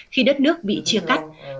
khi đất nước bị chia cắt